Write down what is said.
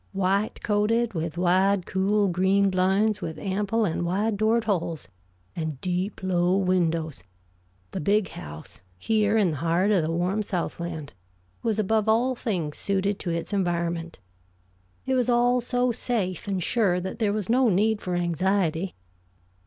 White coated, with wide, cool, green blinds, with ample and wide doored halls, and deep, low windows, the Big House, here in the heart of the warm southland, was above all things suited to its environment. It was all so safe and sure that there was no need for anxiety.